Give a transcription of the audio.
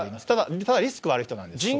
ただ、リスクがある人なんです。